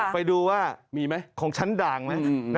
ไปดูว่ามีไหมของชั้นด่างไหม